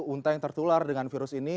unta yang tertular dengan virus ini